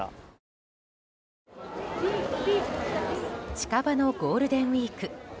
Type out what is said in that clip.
近場のゴールデンウィーク。